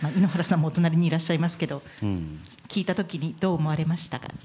井ノ原さんも隣にいらっしゃいますけれども聞いたとき、どう思われました？